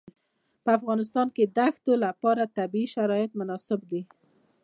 په افغانستان کې د دښتې لپاره طبیعي شرایط مناسب دي.